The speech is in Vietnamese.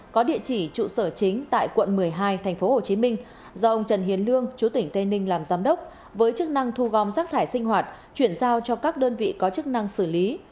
có địa chỉ trụ sở chính tại quận một mươi hai tp hcm do ông trần hiền lương chú tỉnh tây ninh làm giám đốc với chức năng thu gom rác thải sinh hoạt chuyển giao cho các đơn vị có chức năng xử lý